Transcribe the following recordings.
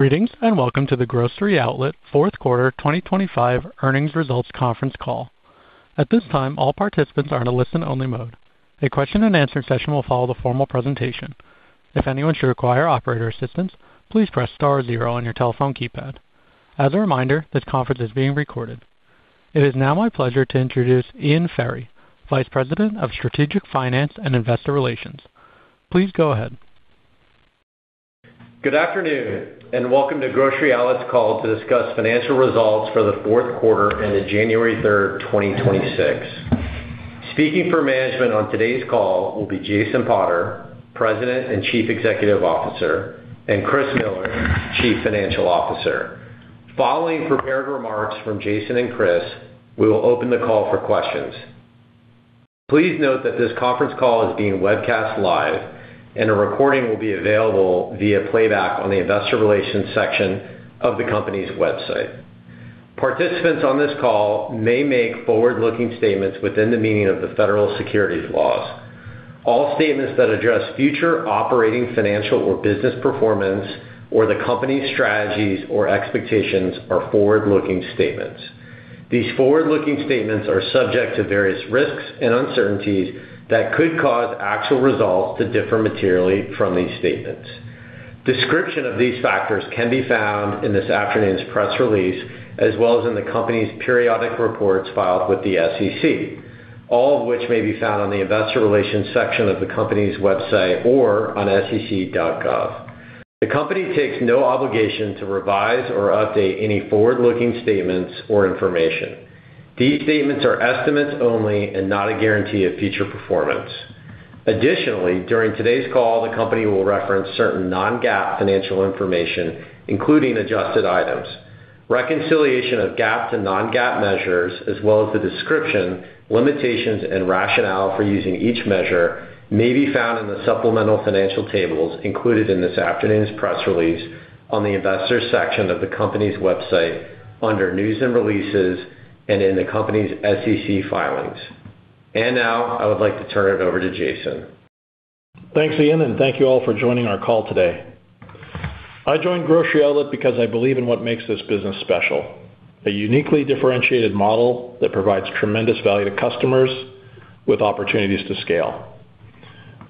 Greetings, welcome to the Grocery Outlet fourth quarter 2025 earnings results conference call. At this time, all participants are in a listen-only mode. A question-and-answer session will follow the formal presentation. If anyone should require operator assistance, please press star zero on your telephone keypad. As a reminder, this conference is being recorded. It is now my pleasure to introduce Ian Ferry, Vice President of Strategic Finance and Investor Relations. Please go ahead. Good afternoon, and welcome to Grocery Outlet's call to discuss financial results for the fourth quarter ended January 3rd, 2026. Speaking for management on today's call will be Jason Potter, President and Chief Executive Officer, and Christopher Miller, Chief Financial Officer. Following prepared remarks from Jason and Chris, we will open the call for questions. Please note that this conference call is being webcast live, and a recording will be available via playback on the Investor Relations section of the company's website. Participants on this call may make forward-looking statements within the meaning of the federal securities laws. All statements that address future operating, financial or business performance or the company's strategies or expectations are forward-looking statements. These forward-looking statements are subject to various risks and uncertainties that could cause actual results to differ materially from these statements. Description of these factors can be found in this afternoon's press release, as well as in the company's periodic reports filed with the SEC, all of which may be found on the Investor Relations section of the company's website or on sec.gov. The company takes no obligation to revise or update any forward-looking statements or information. These statements are estimates only and not a guarantee of future performance. Additionally, during today's call, the company will reference certain non-GAAP financial information, including adjusted items. Reconciliation of GAAP to non-GAAP measures, as well as the description, limitations, and rationale for using each measure may be found in the supplemental financial tables included in this afternoon's press release on the investors section of the company's website under News & Releases and in the company's SEC filings. Now, I would like to turn it over to Jason. Thanks, Ian. Thank you all for joining our call today. I joined Grocery Outlet because I believe in what makes this business special, a uniquely differentiated model that provides tremendous value to customers with opportunities to scale.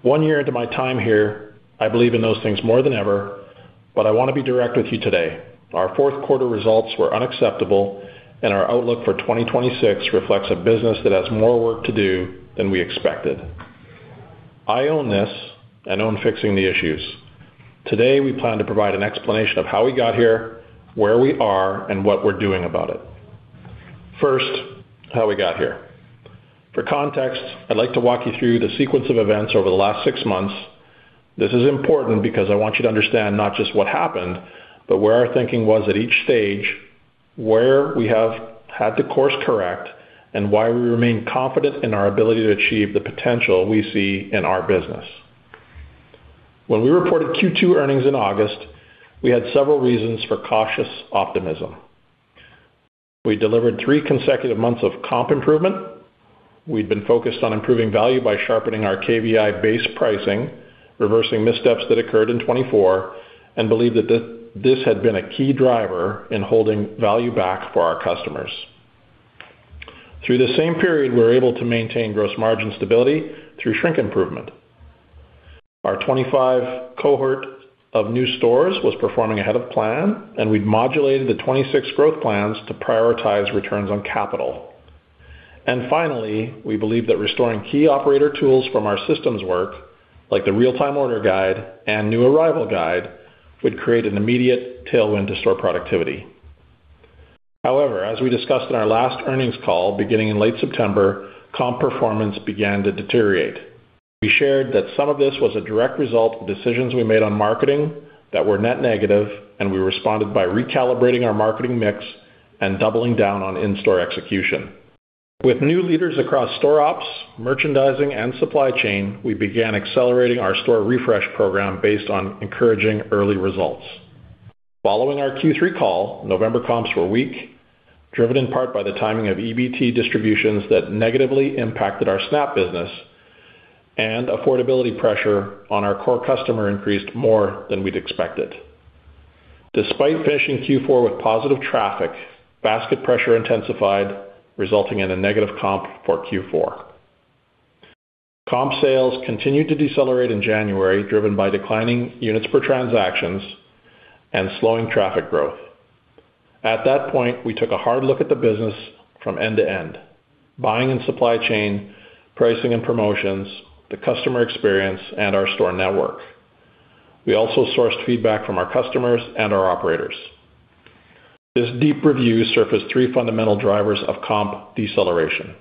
One year into my time here, I believe in those things more than ever. I want to be direct with you today. Our fourth quarter results were unacceptable. Our outlook for 2026 reflects a business that has more work to do than we expected. I own this and own fixing the issues. Today, we plan to provide an explanation of how we got here, where we are, and what we're doing about it. First, how we got here. For context, I'd like to walk you through the sequence of events over the last six months. This is important because I want you to understand not just what happened, but where our thinking was at each stage, where we have had to course-correct, and why we remain confident in our ability to achieve the potential we see in our business. When we reported Q2 earnings in August, we had several reasons for cautious optimism. We delivered three consecutive months of comp improvement. We'd been focused on improving value by sharpening our KVI base pricing, reversing missteps that occurred in 2024, and believe that this had been a key driver in holding value back for our customers. Through the same period, we were able to maintain gross margin stability through shrink improvement. Our 25 cohort of new stores was performing ahead of plan, and we'd modulated the 26 growth plans to prioritize returns on capital. Finally, we believe that restoring key operator tools from our systems work, like the real-time order guide and new arrival guide, would create an immediate tailwind to store productivity. However, as we discussed in our last earnings call, beginning in late September, comp performance began to deteriorate. We shared that some of this was a direct result of decisions we made on marketing that were net negative, and we responded by recalibrating our marketing mix and doubling down on in-store execution. With new leaders across store ops, merchandising, and supply chain, we began accelerating our store refresh program based on encouraging early results. Following our Q3 call, November comps were weak, driven in part by the timing of EBT distributions that negatively impacted our SNAP business, and affordability pressure on our core customer increased more than we'd expected. Despite finishing Q4 with positive traffic, basket pressure intensified, resulting in a negative comp for Q4. Comp sales continued to decelerate in January, driven by declining units per transactions and slowing traffic growth. At that point, we took a hard look at the business from end to end, buying and supply chain, pricing and promotions, the customer experience, and our store network. We also sourced feedback from our customers and our operators. This deep review surfaced three fundamental drivers of comp deceleration.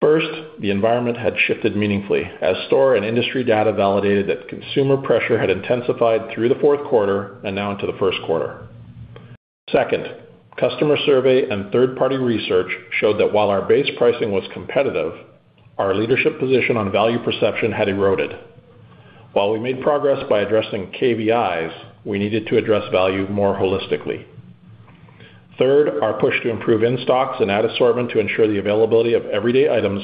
First, the environment had shifted meaningfully as store and industry data validated that consumer pressure had intensified through the fourth quarter and now into the first quarter. Second, customer survey and third-party research showed that while our base pricing was competitive, our leadership position on value perception had eroded. While we made progress by addressing KVIs, we needed to address value more holistically. Third, our push to improve in-stocks and add assortment to ensure the availability of everyday items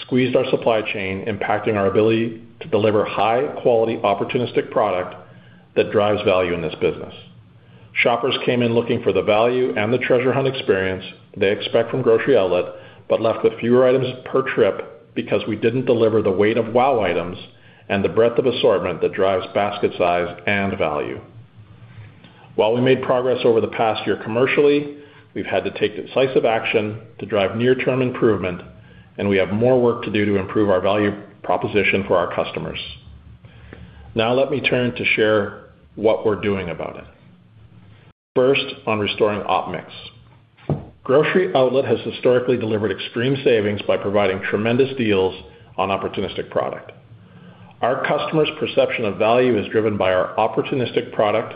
squeezed our supply chain, impacting our ability to deliver high-quality opportunistic product that drives value in this business. Shoppers came in looking for the value and the treasure hunt experience they expect from Grocery Outlet, but left with fewer items per trip because we didn't deliver the weight of wow items and the breadth of assortment that drives basket size and value. While we made progress over the past year commercially, we've had to take decisive action to drive near-term improvement, and we have more work to do to improve our value proposition for our customers. Now let me turn to share what we're doing about it. First, on restoring op mix. Grocery Outlet has historically delivered extreme savings by providing tremendous deals on opportunistic product. Our customers' perception of value is driven by our opportunistic product,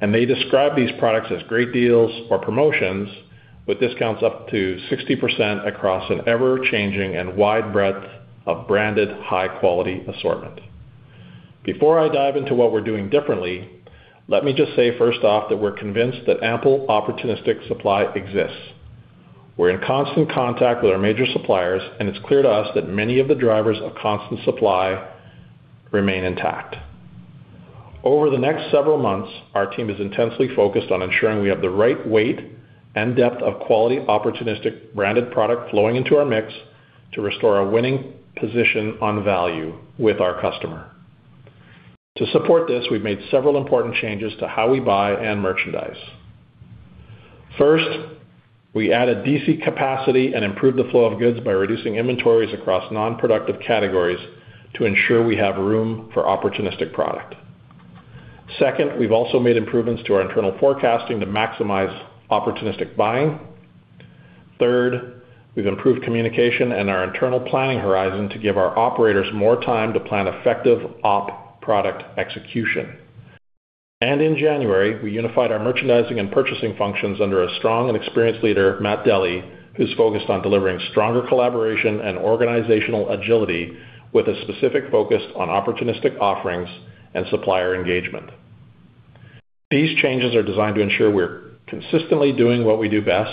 and they describe these products as great deals or promotions with discounts up to 60% across an ever-changing and wide breadth of branded high-quality assortment. Before I dive into what we're doing differently, let me just say first off that we're convinced that ample opportunistic supply exists. We're in constant contact with our major suppliers, and it's clear to us that many of the drivers of constant supply remain intact. Over the next several months, our team is intensely focused on ensuring we have the right weight and depth of quality, opportunistic branded product flowing into our mix to restore a winning position on value with our customer. To support this, we've made several important changes to how we buy and merchandise. First, we added DC capacity and improved the flow of goods by reducing inventories across non-productive categories to ensure we have room for opportunistic product. Second, we've also made improvements to our internal forecasting to maximize opportunistic buying. Third, we've improved communication and our internal planning horizon to give our operators more time to plan effective op product execution. In January, we unified our merchandising and purchasing functions under a strong and experienced leader, Matt Delly, who's focused on delivering stronger collaboration and organizational agility with a specific focus on opportunistic offerings and supplier engagement. These changes are designed to ensure we're consistently doing what we do best,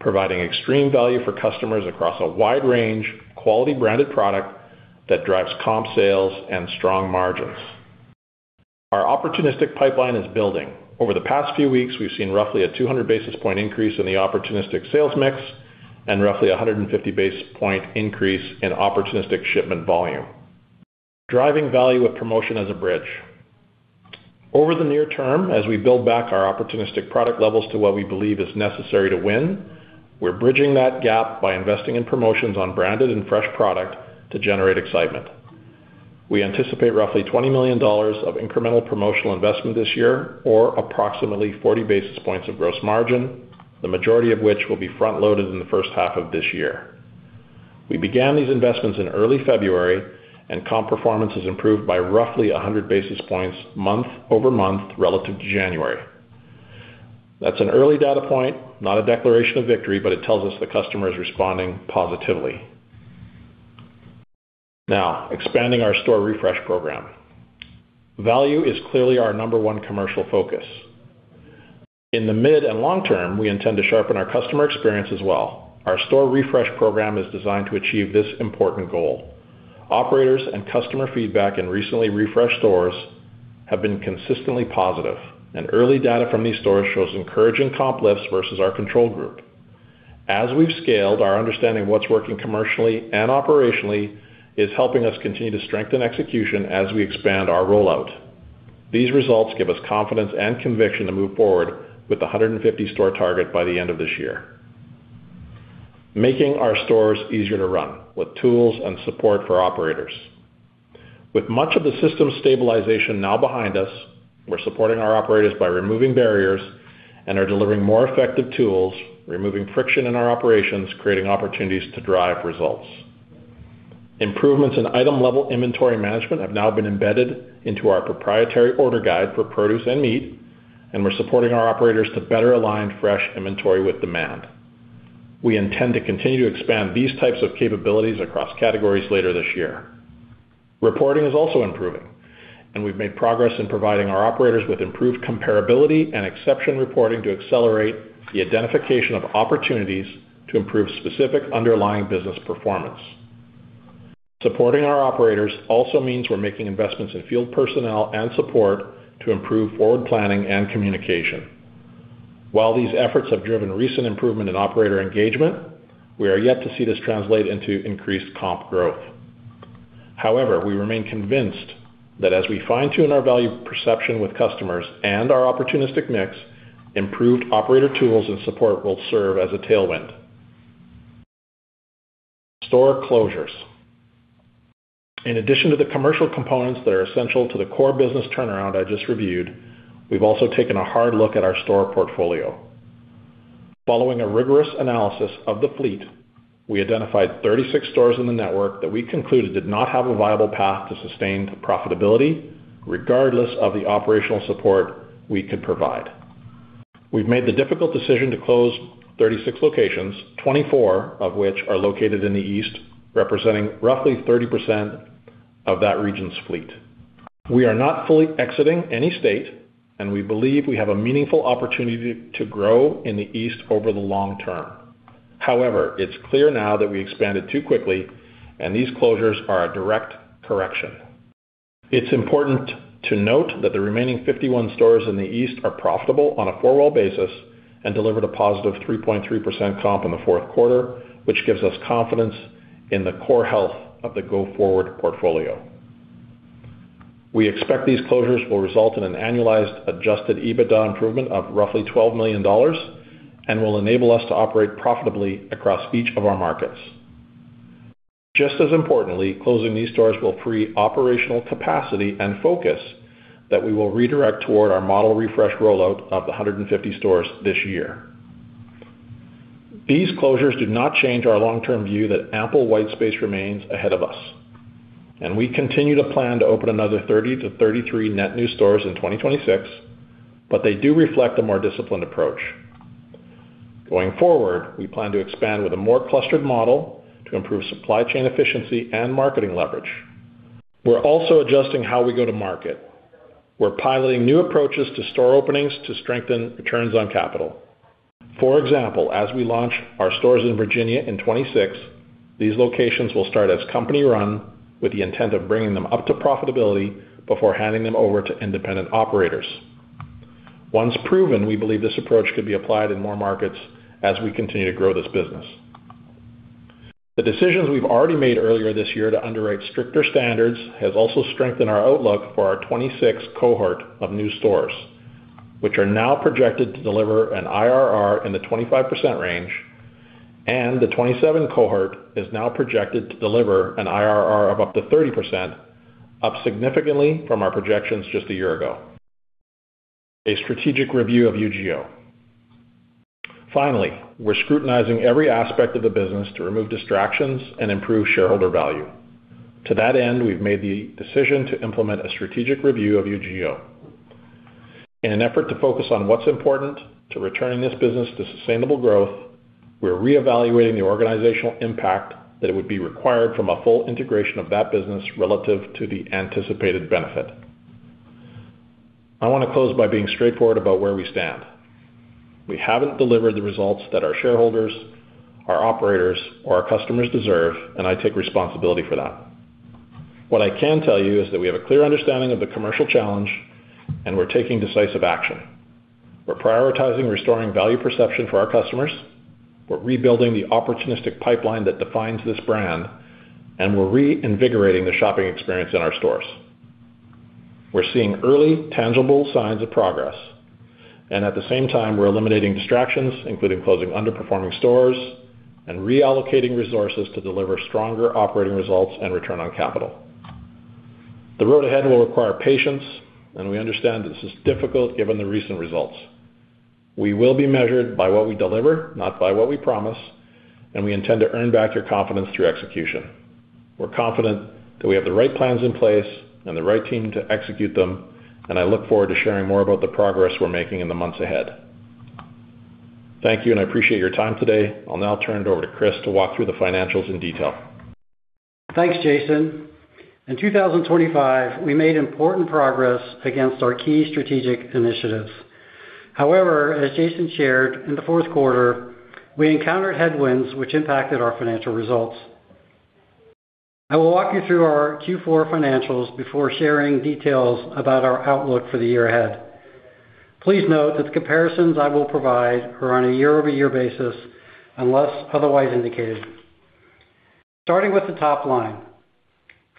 providing extreme value for customers across a wide range of quality-branded product that drives comp sales and strong margins. Our opportunistic pipeline is building. Over the past few weeks, we've seen roughly a 200 basis point increase in the opportunistic sales mix and roughly 150 basis point increase in opportunistic shipment volume. Driving value with promotion as a bridge. Over the near term, as we build back our opportunistic product levels to what we believe is necessary to win, we're bridging that gap by investing in promotions on branded and fresh product to generate excitement. We anticipate roughly $20 million of incremental promotional investment this year, or approximately 40 basis points of gross margin, the majority of which will be front-loaded in the first half of this year. We began these investments in early February. Comp performance has improved by roughly 100 basis points month-over-month relative to January. That's an early data point, not a declaration of victory, but it tells us the customer is responding positively. Now, expanding our store refresh program. Value is clearly our number one commercial focus. In the mid and long term, we intend to sharpen our customer experience as well. Our store refresh program is designed to achieve this important goal. Operators and customer feedback in recently refreshed stores have been consistently positive, and early data from these stores shows encouraging comp lifts versus our control group. As we've scaled, our understanding of what's working commercially and operationally is helping us continue to strengthen execution as we expand our rollout. These results give us confidence and conviction to move forward with the 150 store target by the end of this year. Making our stores easier to run with tools and support for operators. With much of the system stabilization now behind us, we're supporting our operators by removing barriers and are delivering more effective tools, removing friction in our operations, creating opportunities to drive results. Improvements in item-level inventory management have now been embedded into our proprietary order guide for produce and meat, and we're supporting our operators to better align fresh inventory with demand. We intend to continue to expand these types of capabilities across categories later this year. Reporting is also improving, and we've made progress in providing our operators with improved comparability and exception reporting to accelerate the identification of opportunities to improve specific underlying business performance. Supporting our operators also means we're making investments in field personnel and support to improve forward planning and communication. While these efforts have driven recent improvement in operator engagement, we are yet to see this translate into increased comp growth. We remain convinced that as we fine-tune our value perception with customers and our opportunistic mix, improved operator tools and support will serve as a tailwind. Store closures. In addition to the commercial components that are essential to the core business turnaround I just reviewed, we've also taken a hard look at our store portfolio. Following a rigorous analysis of the fleet, we identified 36 stores in the network that we concluded did not have a viable path to sustained profitability, regardless of the operational support we could provide. We've made the difficult decision to close 36 locations, 24 of which are located in the East, representing roughly 30% of that region's fleet. We are not fully exiting any state, and we believe we have a meaningful opportunity to grow in the East over the long term. It's clear now that we expanded too quickly, and these closures are a direct correction. It's important to note that the remaining 51 stores in the East are profitable on a four-wall basis and delivered a positive 3.3% comp in the fourth quarter, which gives us confidence in the core health of the go-forward portfolio. We expect these closures will result in an annualized adjusted EBITDA improvement of roughly $12 million and will enable us to operate profitably across each of our markets. Closing these stores will free operational capacity and focus that we will redirect toward our model refresh rollout of the 150 stores this year. These closures do not change our long-term view that ample white space remains ahead of us. We continue to plan to open another 30-33 net new stores in 2026, but they do reflect a more disciplined approach. Going forward, we plan to expand with a more clustered model to improve supply chain efficiency and marketing leverage. We're also adjusting how we go to market. We're piloting new approaches to store openings to strengthen returns on capital. For example, as we launch our stores in Virginia in 2026, these locations will start as company-run with the intent of bringing them up to profitability before handing them over to independent operators. Once proven, we believe this approach could be applied in more markets as we continue to grow this business. The decisions we've already made earlier this year to underwrite stricter standards has also strengthened our outlook for our 26 cohort of new stores, which are now projected to deliver an IRR in the 25% range, and the 27 cohort is now projected to deliver an IRR of up to 30%, up significantly from our projections just a year ago. A strategic review of UGO. Finally, we're scrutinizing every aspect of the business to remove distractions and improve shareholder value. To that end, we've made the decision to implement a strategic review of UGO. In an effort to focus on what's important to returning this business to sustainable growth, we're reevaluating the organizational impact that it would be required from a full integration of that business relative to the anticipated benefit. I want to close by being straightforward about where we stand. We haven't delivered the results that our shareholders, our operators, or our customers deserve, and I take responsibility for that. What I can tell you is that we have a clear understanding of the commercial challenge, and we're taking decisive action. We're prioritizing restoring value perception for our customers, we're rebuilding the opportunistic pipeline that defines this brand, and we're reinvigorating the shopping experience in our stores. We're seeing early tangible signs of progress, and at the same time, we're eliminating distractions, including closing underperforming stores and reallocating resources to deliver stronger operating results and return on capital. The road ahead will require patience, and we understand this is difficult given the recent results. We will be measured by what we deliver, not by what we promise, and we intend to earn back your confidence through execution. We're confident that we have the right plans in place and the right team to execute them. I look forward to sharing more about the progress we're making in the months ahead. Thank you. I appreciate your time today. I'll now turn it over to Chris to walk through the financials in detail. Thanks, Jason. In 2025, we made important progress against our key strategic initiatives. As Jason shared, in the fourth quarter, we encountered headwinds which impacted our financial results. I will walk you through our Q4 financials before sharing details about our outlook for the year ahead. Please note that the comparisons I will provide are on a year-over-year basis, unless otherwise indicated. Starting with the top line.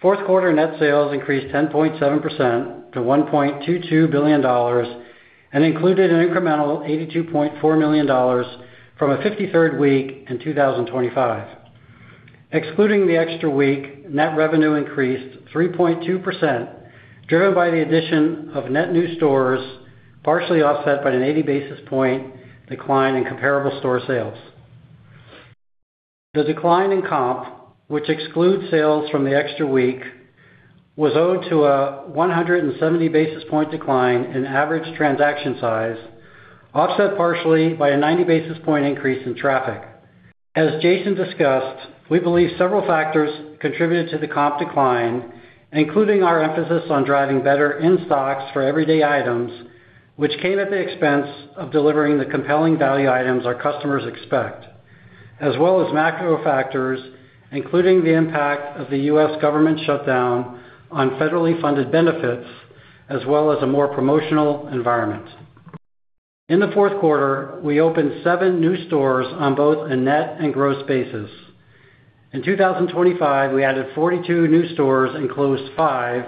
Fourth quarter net sales increased 10.7% to $1.22 billion and included an incremental $82.4 million from a 53rd week in 2025. Excluding the extra week, net revenue increased 3.2%, driven by the addition of net new stores, partially offset by an 80 basis point decline in comparable store sales. The decline in comp, which excludes sales from the extra week, was owed to a 170 basis point decline in average transaction size, offset partially by a 90 basis point increase in traffic. As Jason discussed, we believe several factors contributed to the comp decline, including our emphasis on driving better in-stocks for everyday items, which came at the expense of delivering the compelling value items our customers expect, as well as macro factors, including the impact of the U.S. government shutdown on federally funded benefits, as well as a more promotional environment. In the fourth quarter, we opened seven new stores on both a net and gross basis. In 2025, we added 42 new stores and closed five,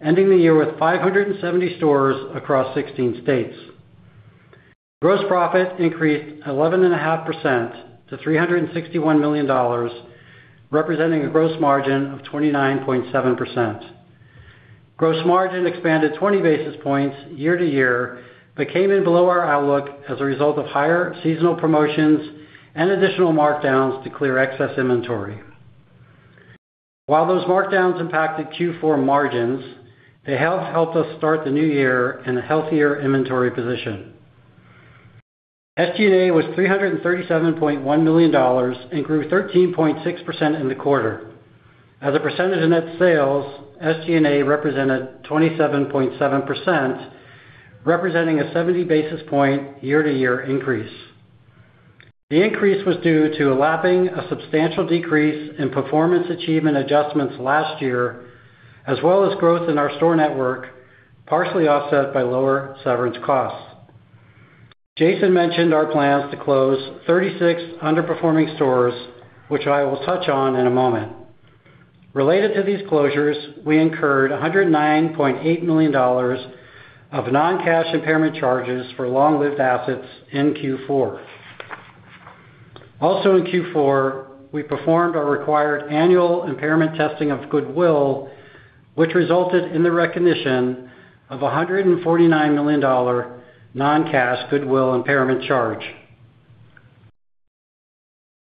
ending the year with 570 stores across 16 states. Gross profit increased 11.5% to $361 million, representing a gross margin of 29.7%. Gross margin expanded 20 basis points year-to-year, came in below our outlook as a result of higher seasonal promotions and additional markdowns to clear excess inventory. While those markdowns impacted Q4 margins, they have helped us start the new year in a healthier inventory position. SG&A was $337.1 million, grew 13.6% in the quarter. As a percentage of net sales, SG&A represented 27.7%, representing a 70 basis point year-to-year increase. The increase was due to elapsing a substantial decrease in performance achievement adjustments last year, as well as growth in our store network, partially offset by lower severance costs. Jason mentioned our plans to close 36 underperforming stores, which I will touch on in a moment. Related to these closures, we incurred $109.8 million of non-cash impairment charges for long-lived assets in Q4. Also in Q4, we performed our required annual impairment testing of goodwill, which resulted in the recognition of $149 million non-cash goodwill impairment charge.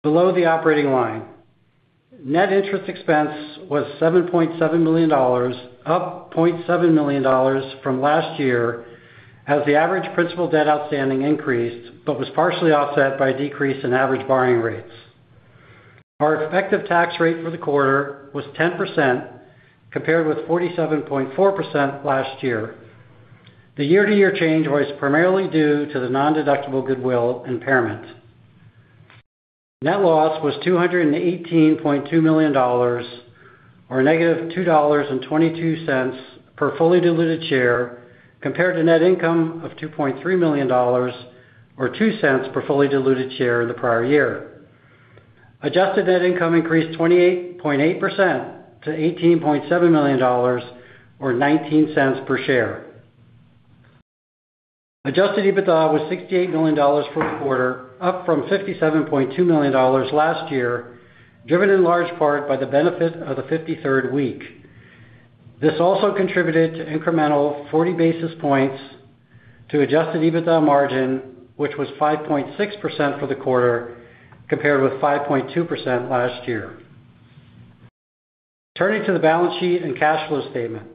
Below the operating line, net interest expense was $7.7 million, up $0.7 million from last year as the average principal debt outstanding increased but was partially offset by a decrease in average borrowing rates. Our effective tax rate for the quarter was 10% compared with 47.4% last year. The year-to-year change was primarily due to the nondeductible goodwill impairment. Net loss was $218.2 million or -$2.22 per fully diluted share, compared to net income of $2.3 million or $0.02 per fully diluted share in the prior year. Adjusted net income increased 28.8% to $18.7 million or $0.19 per share. adjusted EBITDA was $68 million for the quarter, up from $57.2 million last year, driven in large part by the benefit of the 53rd week. This also contributed to incremental 40 basis points to adjusted EBITDA margin, which was 5.6% for the quarter, compared with 5.2% last year. Turning to the balance sheet and cash flow statement.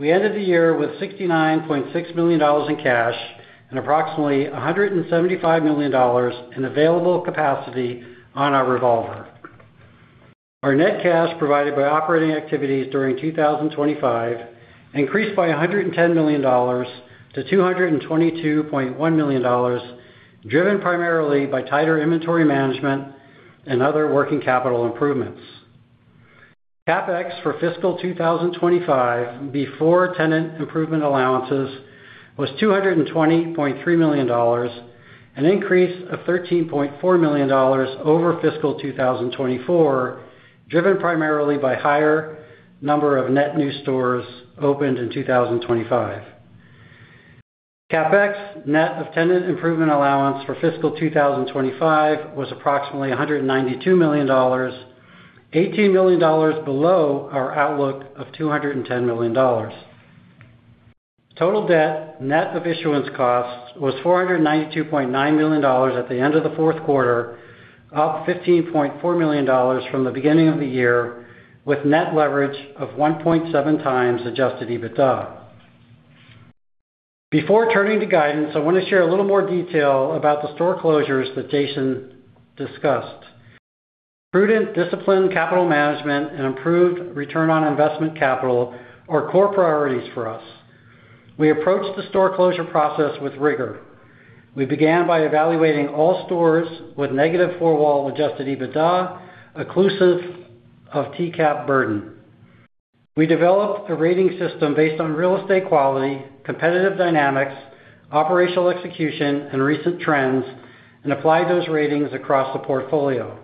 We ended the year with $69.6 million in cash and approximately $175 million in available capacity on our revolver. Our net cash provided by operating activities during 2025 increased by $110 million to $222.1 million, driven primarily by tighter inventory management and other working capital improvements. CapEx for fiscal 2025 before tenant improvement allowances was $220.3 million, an increase of $13.4 million over fiscal 2024, driven primarily by higher number of net new stores opened in 2025. CapEx net of tenant improvement allowance for fiscal 2025 was approximately $192 million, $18 million below our outlook of $210 million. Total debt, net of issuance costs, was $492.9 million at the end of the fourth quarter, up $15.4 million from the beginning of the year, with net leverage of 1.7x adjusted EBITDA. Before turning to guidance, I want to share a little more detail about the store closures that Jason discussed. Prudent, disciplined capital management and improved return on investment capital are core priorities for us. We approached the store closure process with rigor. We began by evaluating all stores with negative four-wall adjusted EBITDA, occlusive of TCAP burden. We developed a rating system based on real estate quality, competitive dynamics, operational execution, and recent trends and applied those ratings across the portfolio.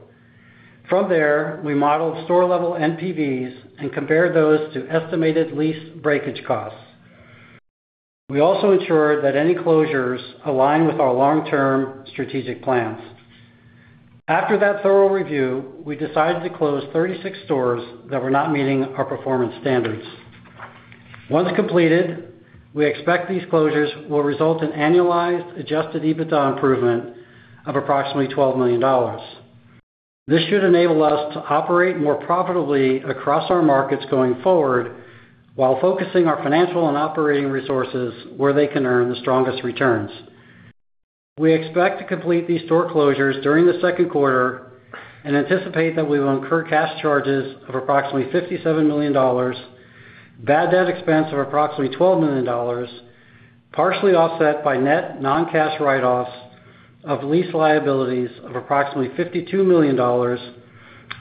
From there, we modeled store-level NPVs and compared those to estimated lease breakage costs. We also ensured that any closures align with our long-term strategic plans. After that thorough review, we decided to close 36 stores that were not meeting our performance standards. Once completed, we expect these closures will result in annualized adjusted EBITDA improvement of approximately $12 million. This should enable us to operate more profitably across our markets going forward while focusing our financial and operating resources where they can earn the strongest returns. We expect to complete these store closures during the second quarter and anticipate that we will incur cash charges of approximately $57 million, bad debt expense of approximately $12 million, partially offset by net non-cash write-offs of lease liabilities of approximately $52 million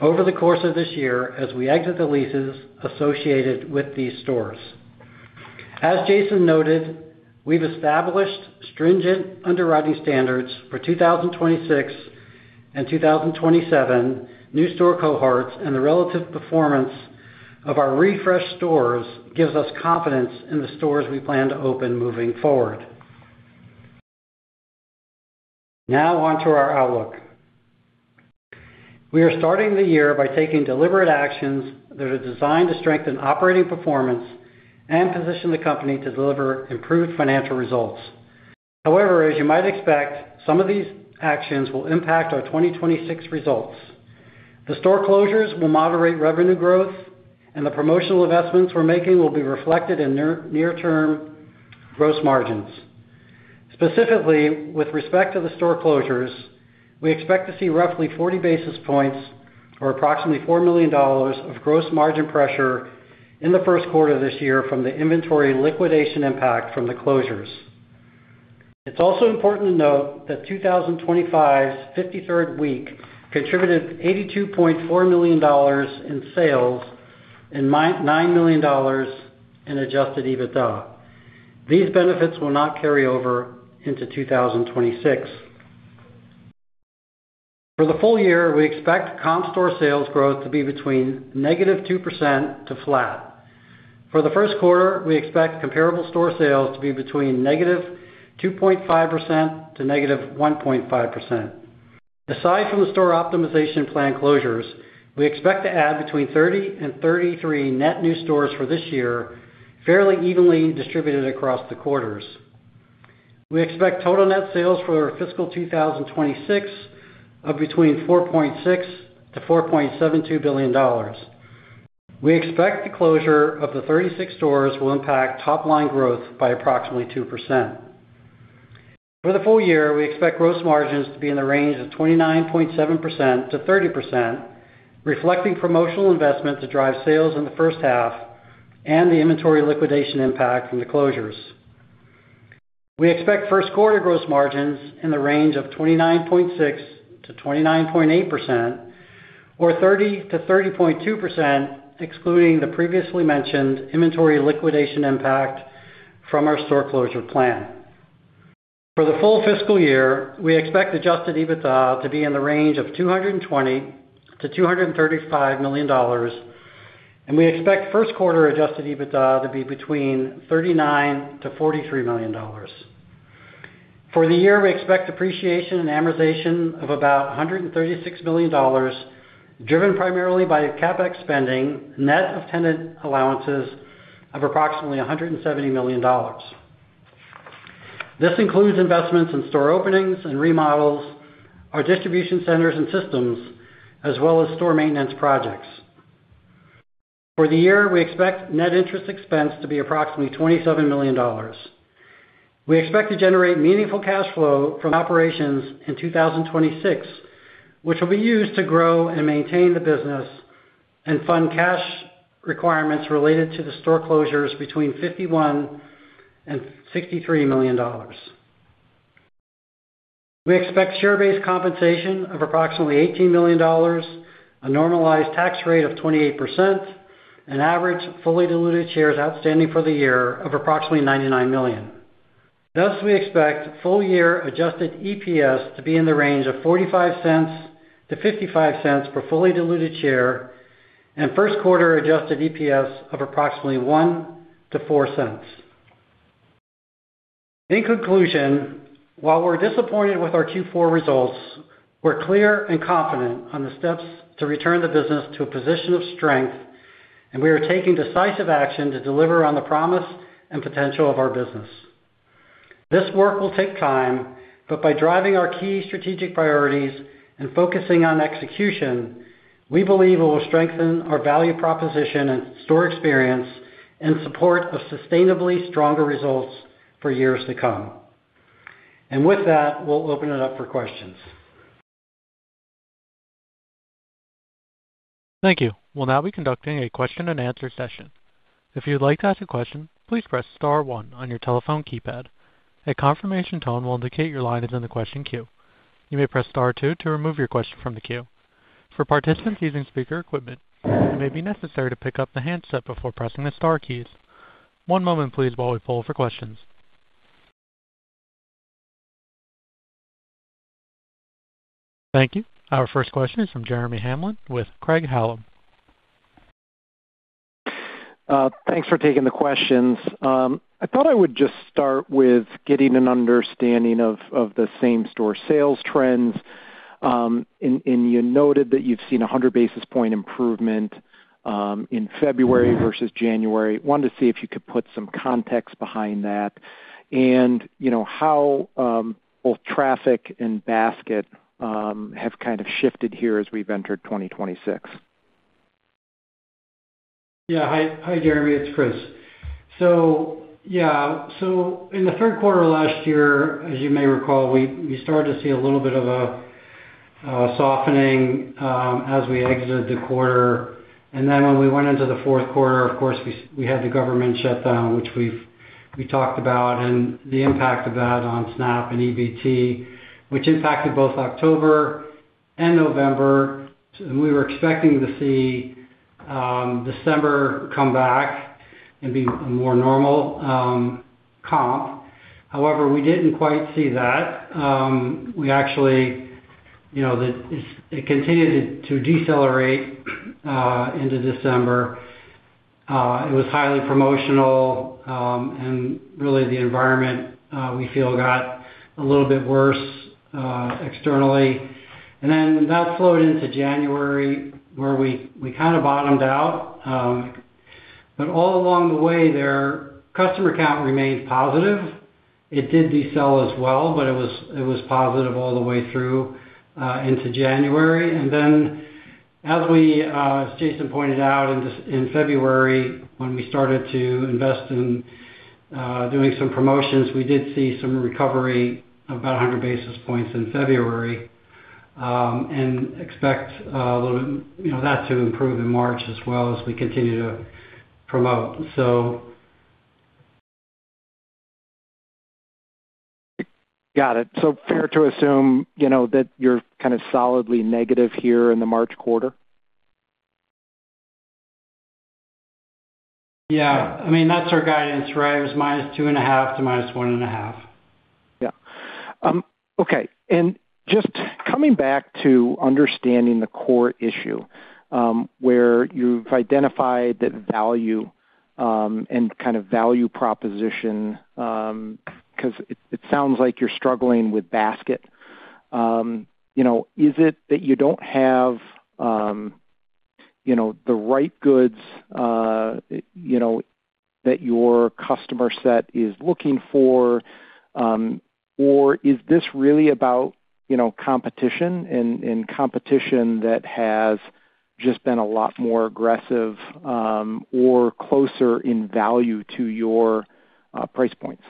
over the course of this year as we exit the leases associated with these stores. As Jason noted, we've established stringent underwriting standards for 2026 and 2027 new store cohorts and the relative performance of our refreshed stores gives us confidence in the stores we plan to open moving forward. On to our outlook. We are starting the year by taking deliberate actions that are designed to strengthen operating performance and position the company to deliver improved financial results. As you might expect, some of these actions will impact our 2026 results. The store closures will moderate revenue growth and the promotional investments we're making will be reflected in near-term gross margins. Specifically, with respect to the store closures, we expect to see roughly 40 basis points or approximately $4 million of gross margin pressure in the first quarter of this year from the inventory liquidation impact from the closures. It's also important to note that 2025's 53rd week contributed $82.4 million in sales and $9 million in adjusted EBITDA. These benefits will not carry over into 2026. For the full year, we expect comp store sales growth to be between -2% to flat. For the first quarter, we expect comparable store sales to be between -2.5% to -1.5%. Aside from the store optimization plan closures, we expect to add between 30 and 33 net new stores for this year, fairly evenly distributed across the quarters. We expect total net sales for fiscal 2026 of between $4.6 billion-$4.72 billion. We expect the closure of the 36 stores will impact top line growth by approximately 2%. For the full year, we expect gross margins to be in the range of 29.7%-30%, reflecting promotional investment to drive sales in the first half and the inventory liquidation impact from the closures. We expect first quarter gross margins in the range of 29.6%-29.8% or 30%-30.2%, excluding the previously mentioned inventory liquidation impact from our store closure plan. For the full fiscal year, we expect adjusted EBITDA to be in the range of $220 million-$235 million, and we expect first quarter adjusted EBITDA to be between $39 million-$43 million. For the year, we expect depreciation and amortization of about $136 million, driven primarily by CapEx spending, net of tenant allowances of approximately $170 million. This includes investments in store openings and remodels, our distribution centers and systems, as well as store maintenance projects. For the year, we expect net interest expense to be approximately $27 million. We expect to generate meaningful cash flow from operations in 2026, which will be used to grow and maintain the business and fund cash requirements related to the store closures between $51 million and $63 million. We expect share-based compensation of approximately $18 million, a normalized tax rate of 28%, an average fully diluted shares outstanding for the year of approximately 99 million. Thus, we expect full-year adjusted EPS to be in the range of $0.45-$0.55 per fully diluted share and first quarter adjusted EPS of approximately $0.01-$0.04. In conclusion, while we're disappointed with our Q4 results, we're clear and confident on the steps to return the business to a position of strength. We are taking decisive action to deliver on the promise and potential of our business. This work will take time. By driving our key strategic priorities and focusing on execution, we believe it will strengthen our value proposition and store experience and support a sustainably stronger results for years to come. With that, we'll open it up for questions. Thank you. We'll now be conducting a question-and-answer session. If you'd like to ask a question, please press star one on your telephone keypad. A confirmation tone will indicate your line is in the question queue. You may press star two to remove your question from the queue. For participants using speaker equipment, it may be necessary to pick up the handset before pressing the star keys. One moment, please, while we poll for questions. Thank you. Our first question is from Jeremy Hamblin with Craig-Hallum. Thanks for taking the questions. I thought I would just start with getting an understanding of the same-store sales trends. You noted that you've seen a 100 basis point improvement in February versus January. Wanted to see if you could put some context behind that and, you know, how both traffic and basket have kind of shifted here as we've entered 2026. Yeah. Hi, Jeremy. It's Chris. Yeah. In the third quarter of last year, as you may recall, we started to see a little bit of a softening as we exited the quarter. When we went into the fourth quarter, of course, we had the government shutdown, which we talked about and the impact of that on SNAP and EBT, which impacted both October and November. We were expecting to see December come back and be more normal comp. However, we didn't quite see that. We actually, you know, it continued to decelerate into December. It was highly promotional, and really the environment we feel got a little bit worse externally. That flowed into January, where we kind of bottomed out. All along the way, their customer count remained positive. It did decel as well, but it was, it was positive all the way through into January. As we, as Jason pointed out in February, when we started to invest in doing some promotions, we did see some recovery of about 100 basis points in February, and expect, you know, that to improve in March as well as we continue to promote. Got it. Fair to assume, you know, that you're kind of solidly negative here in the March quarter? Yeah. I mean, that's our guidance, right? It was -2.5% to -1.5%. Yeah. Okay. Just coming back to understanding the core issue, where you've identified the value, and kind of value proposition, 'cause it sounds like you're struggling with basket. You know, is it that you don't have, you know, the right goods, you know, that your customer set is looking for? Or is this really about, you know, competition and competition that has just been a lot more aggressive, or closer in value to your price points?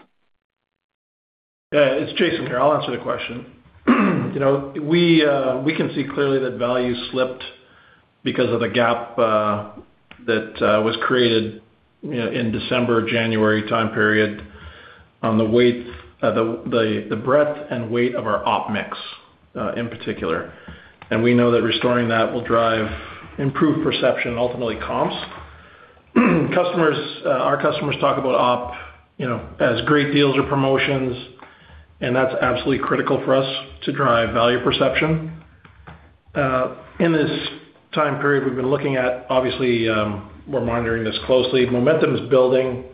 Yeah. It's Jason here. I'll answer the question. You know, we can see clearly that value slipped because of the gap that was created, you know, in December, January time period on the breadth and weight of our op mix in particular. We know that restoring that will drive improved perception, ultimately comps. Our customers talk about op, you know, as great deals or promotions, and that's absolutely critical for us to drive value perception. In this time period, we've been looking at, obviously, we're monitoring this closely. Momentum is building.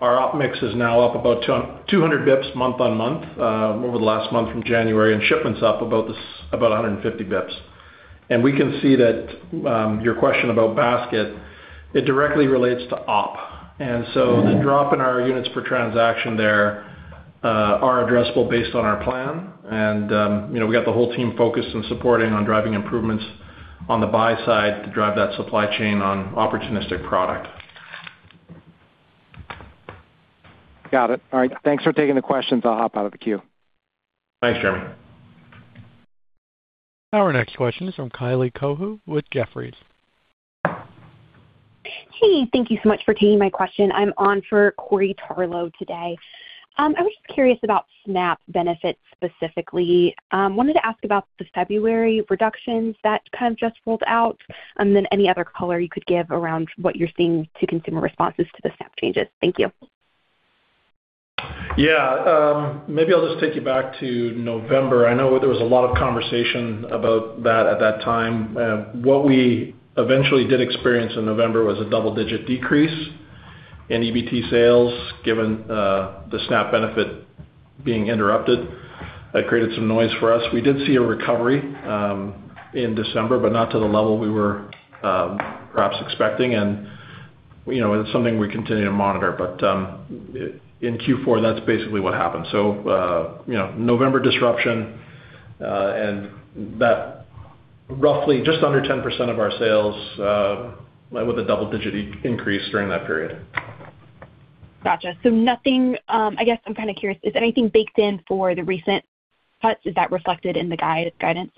Our op mix is now up about 200 bps month-on-month over the last month from January, and shipments up about this, about 150 bps. We can see that, your question about basket, it directly relates to op. The drop in our units per transaction there, are addressable based on our plan and, you know, we got the whole team focused and supporting on driving improvements on the buy side to drive that supply chain on opportunistic product. Got it. All right. Thanks for taking the questions. I'll hop out of the queue. Thanks, Jeremy. Our next question is from Kylie Cohu with Jefferies. Hey, thank you so much for taking my question. I'm on for Corey Tarlowe today. I was just curious about SNAP benefits specifically. Wanted to ask about the February reductions that kind of just rolled out, any other color you could give around what you're seeing to consumer responses to the SNAP changes. Thank you. Yeah. Maybe I'll just take you back to November. I know there was a lot of conversation about that at that time. What we eventually did experience in November was a double-digit decrease in EBT sales, given the SNAP benefit being interrupted. That created some noise for us. We did see a recovery in December, but not to the level we were perhaps expecting. You know, it's something we continue to monitor, but in Q4, that's basically what happened. You know, November disruption, and that roughly just under 10% of our sales, went with a double-digit increase during that period. Gotcha. Nothing, I guess I'm kinda curious, is anything baked in for the recent cuts? Is that reflected in the guidance?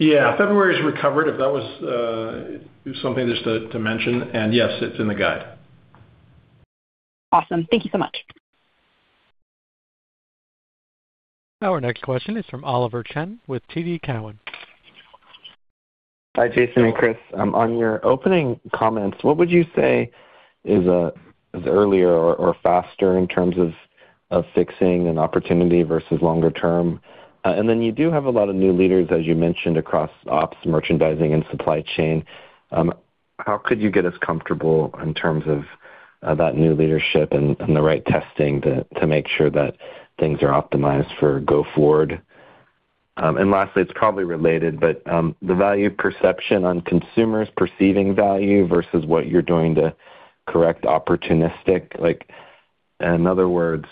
Yeah. February's recovered, if that was, something just to mention. Yes, it's in the guide. Awesome. Thank you so much. Our next question is from Oliver Chen with TD Cowen. Hi, Jason and Chris. On your opening comments, what would you say is earlier or faster in terms of fixing an opportunity versus longer term? You do have a lot of new leaders, as you mentioned, across ops, merchandising, and supply chain. How could you get us comfortable in terms of that new leadership and the right testing to make sure that things are optimized for go forward? Lastly, it's probably related, but the value perception on consumers perceiving value versus what you're doing to correct opportunistic. In other words,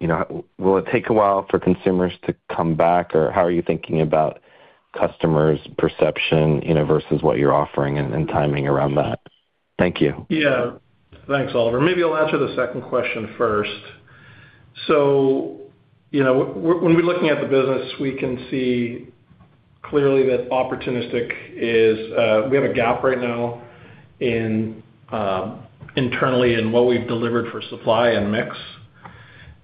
you know, will it take a while for consumers to come back, or how are you thinking about customers' perception, you know, versus what you're offering and timing around that? Thank you. Yeah. Thanks, Oliver. Maybe I'll answer the second question first. You know, when we're looking at the business, we can see clearly that opportunistic is, we have a gap right now in internally in what we've delivered for supply and mix.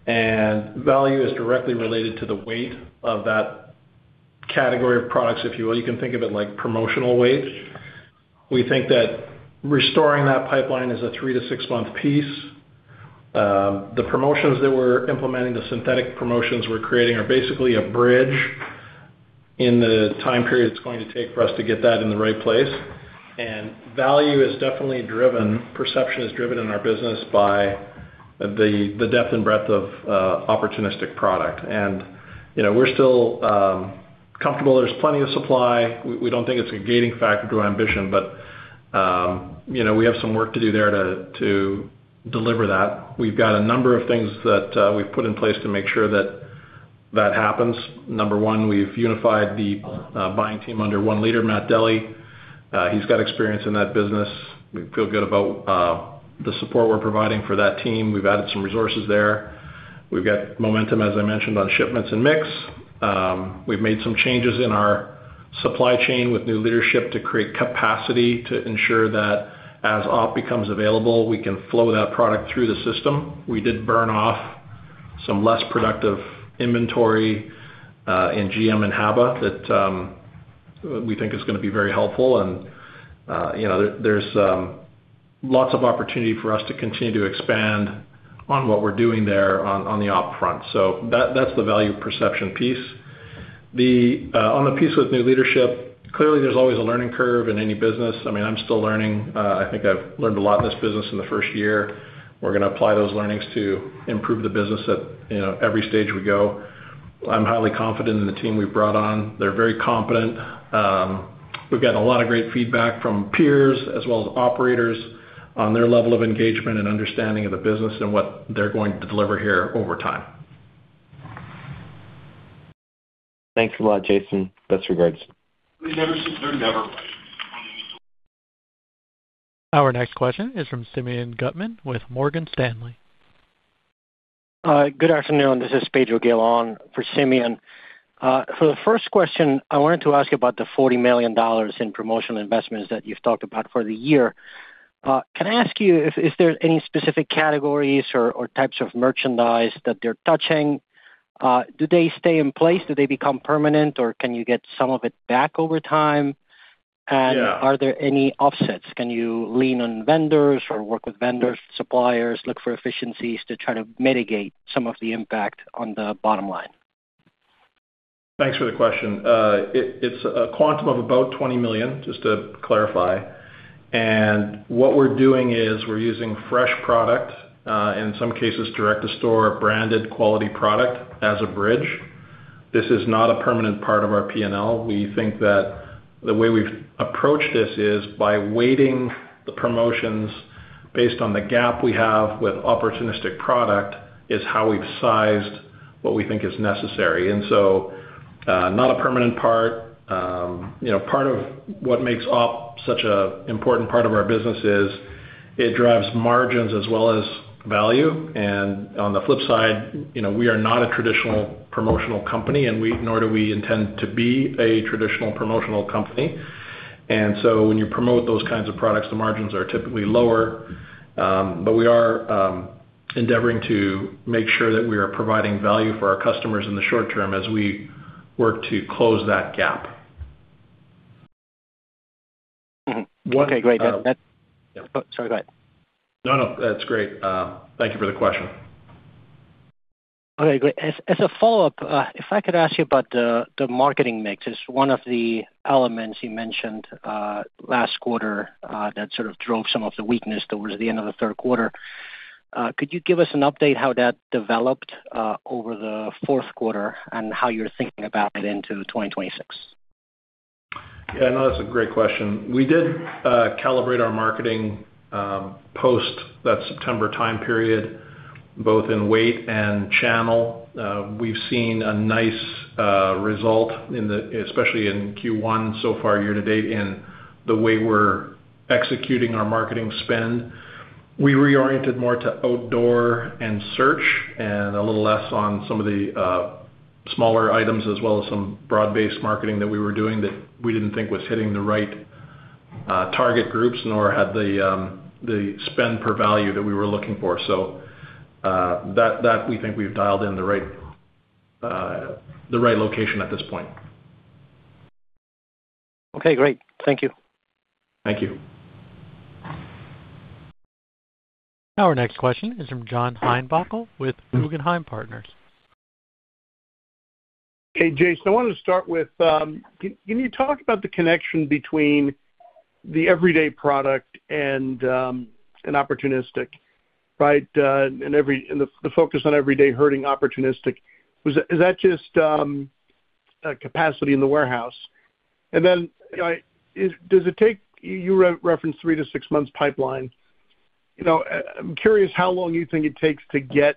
Value is directly related to the weight of that category of products, if you will. You can think of it like promotional weight. We think that restoring that pipeline is a three-six month piece. The promotions that we're implementing, the synthetic promotions we're creating are basically a bridge in the time period it's going to take for us to get that in the right place. Value is definitely driven, perception is driven in our business by the depth and breadth of opportunistic product. You know, we're still comfortable, there's plenty of supply. We don't think it's a gating factor to our ambition, but, you know, we have some work to do there to deliver that. We've got a number of things that we've put in place to make sure that that happens. Number one, we've unified the buying team under one leader, Matt Delly. He's got experience in that business. We feel good about the support we're providing for that team. We've added some resources there. We've got momentum, as I mentioned, on shipments and mix. We've made some changes in our supply chain with new leadership to create capacity to ensure that as op becomes available, we can flow that product through the system. We did burn off some less productive inventory in GM and HABA that we think is gonna be very helpful. You know, there's lots of opportunity for us to continue to expand on what we're doing there on the op front. That, that's the value perception piece. The on the piece with new leadership, clearly, there's always a learning curve in any business. I mean, I'm still learning. I think I've learned a lot in this business in the first year. We're gonna apply those learnings to improve the business at, you know, every stage we go. I'm highly confident in the team we've brought on. They're very competent. We've gotten a lot of great feedback from peers as well as operators on their level of engagement and understanding of the business and what they're going to deliver here over time. Thanks a lot, Jason. Best regards. Our next question is from Simeon Gutman with Morgan Stanley. Good afternoon. This is [Pedro Galan] for Simeon. For the first question, I wanted to ask you about the $40 million in promotional investments that you've talked about for the year. Can I ask you if there's any specific categories or types of merchandise that they're touching? Do they stay in place? Do they become permanent, or can you get some of it back over time? Are there any offsets? Can you lean on vendors or work with vendors, suppliers, look for efficiencies to try to mitigate some of the impact on the bottom line? Thanks for the question. It's a quantum of about $20 million, just to clarify. What we're doing is we're using fresh product, in some cases, direct-to-store branded quality product as a bridge. This is not a permanent part of our P&L. We think that the way we've approached this is by weighting the promotions based on the gap we have with opportunistic product, is how we've sized what we think is necessary. Not a permanent part. You know, part of what makes op such a important part of our business is it drives margins as well as value. On the flip side, you know, we are not a traditional promotional company, nor do we intend to be a traditional promotional company. When you promote those kinds of products, the margins are typically lower. We are endeavoring to make sure that we are providing value for our customers in the short term as we work to close that gap. Sorry, go ahead. No, no, that's great. Thank you for the question. Okay, great. As a follow-up, if I could ask you about the marketing mix. It's one of the elements you mentioned last quarter that sort of drove some of the weakness towards the end of the third quarter. Could you give us an update how that developed over the fourth quarter and how you're thinking about it into 2026? Yeah, no, that's a great question. We did calibrate our marketing post that September time period, both in weight and channel. We've seen a nice result especially in Q1 so far year to date in the way we're executing our marketing spend. We reoriented more to outdoor and search and a little less on some of the smaller items, as well as some broad-based marketing that we were doing that we didn't think was hitting the right target groups, nor had the spend per value that we were looking for. That we think we've dialed in the right location at this point. Okay, great. Thank you. Thank you. Our next question is from John Heinbockel with Guggenheim Partners. Hey, Jason. I wanted to start with, can you talk about the connection between the everyday product and an opportunistic, right? The focus on everyday hurting opportunistic. Is that just capacity in the warehouse? You know, does it take... You referenced three-six months pipeline. You know, I'm curious how long you think it takes to get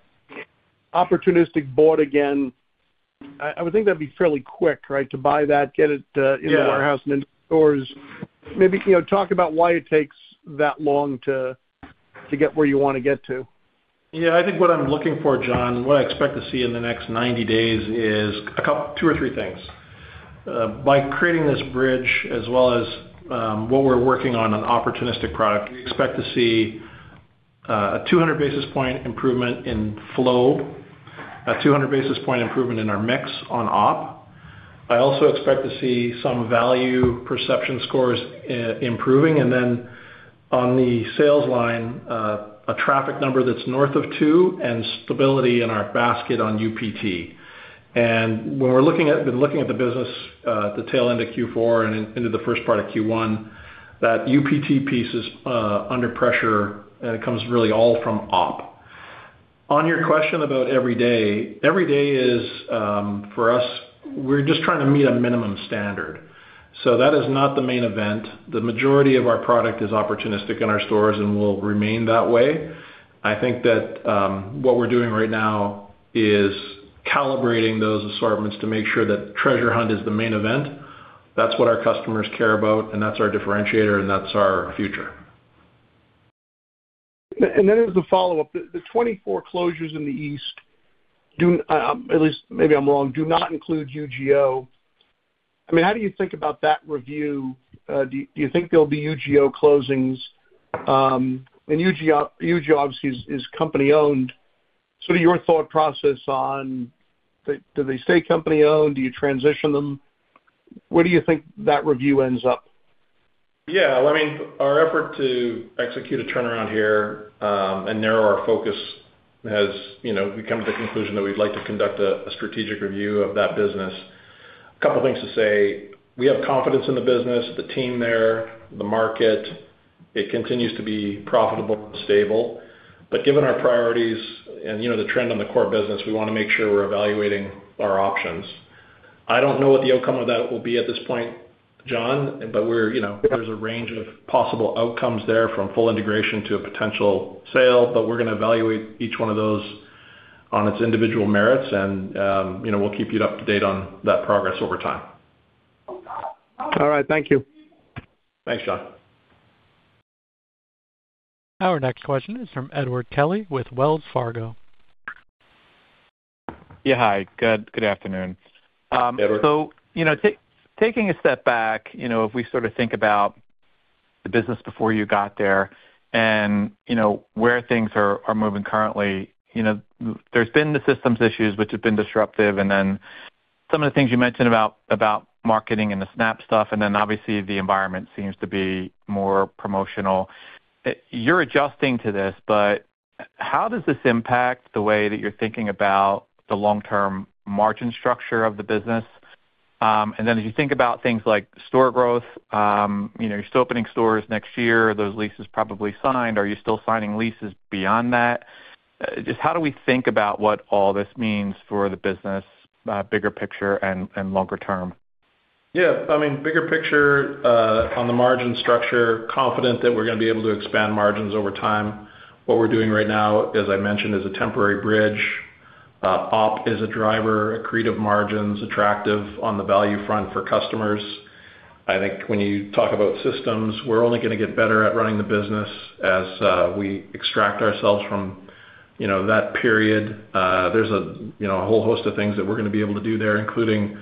opportunistic bought again. I would think that'd be fairly quick, right? To buy that, get it in the warehouse and into stores. Maybe, you know, talk about why it takes that long to get where you wanna get to. Yeah. I think what I'm looking for, John, what I expect to see in the next 90 days is two or three things. By creating this bridge as well as, what we're working on, an opportunistic product, we expect to see a 200 basis point improvement in flow, a 200 basis point improvement in our mix on op. I also expect to see some value perception scores improving. On the sales line, a traffic number that's north of two and stability in our basket on UPT. When we're been looking at the business, the tail end of Q4 and into the first part of Q1, that UPT piece is under pressure, and it comes really all from op. On your question about every day, every day is, for us, we're just trying to meet a minimum standard. That is not the main event. The majority of our product is opportunistic in our stores and will remain that way. I think that what we're doing right now is calibrating those assortments to make sure that treasure hunt is the main event. That's what our customers care about, and that's our differentiator, and that's our future. As a follow-up, the 24 closures in the East, at least maybe I'm wrong, do not include UGO. I mean, how do you think about that review? Do you think there'll be UGO closings? UGO obviously is company-owned. What are your thought process on, do they stay company-owned? Do you transition them? Where do you think that review ends up? Yeah, I mean, our effort to execute a turnaround here, and narrow our focus has, you know, become to the conclusion that we'd like to conduct a strategic review of that business. A couple things to say. We have confidence in the business, the team there, the market. It continues to be profitable and stable. Given our priorities and, you know, the trend on the core business, we wanna make sure we're evaluating our options. I don't know what the outcome of that will be at this point, John, but we're, you know, there's a range of possible outcomes there from full integration to a potential sale, but we're gonna evaluate each one of those on its individual merits and, you know, we'll keep you up to date on that progress over time. All right. Thank you. Thanks, John. Our next question is from Edward Kelly with Wells Fargo. Yeah. Hi. Good afternoon. You know, taking a step back, you know, if we sort of think about the business before you got there and, you know, where things are moving currently, you know, there's been the systems issues which have been disruptive and then some of the things you mentioned about marketing and the SNAP stuff and then obviously the environment seems to be more promotional. You're adjusting to this, but how does this impact the way that you're thinking about the long-term margin structure of the business? As you think about things like store growth, you know, you're still opening stores next year, those leases probably signed. Are you still signing leases beyond that? Just how do we think about what all this means for the business, bigger picture and longer term? Yeah. I mean, bigger picture, on the margin structure, confident that we're gonna be able to expand margins over time. What we're doing right now, as I mentioned, is a temporary bridge. Op is a driver, accretive margins, attractive on the value front for customers. I think when you talk about systems, we're only gonna get better at running the business as we extract ourselves from, you know, that period. There's a, you know, a whole host of things that we're gonna be able to do there, including